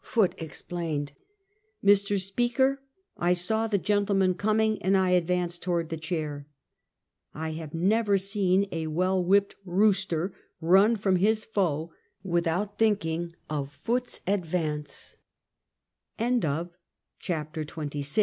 Foot explained: " Mr. Speaker, I saw the gentleman coming, and I advanced toward the chair." I have never seen a well whipped rooster run from his foe, without thinking of Foot's adva